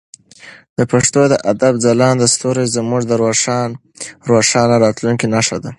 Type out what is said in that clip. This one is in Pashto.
د پښتو ادب ځلانده ستوري زموږ د روښانه راتلونکي نښه ده.